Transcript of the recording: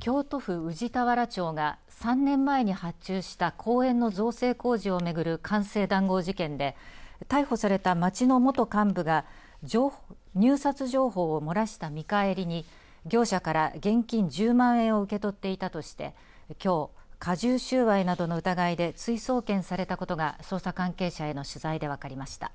京都府宇治田原町が３年前に発注した公園の造成工事を巡る官製談合事件で逮捕された町の元幹部が入札情報を漏らした見返りに業者から現金１０万円を受け取っていたとしてきょう、加重収賄などの疑いで追送検されたことが捜査関係者への取材で分かりました。